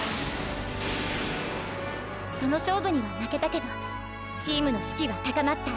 その勝負には負けたけどチームの士気は高まった。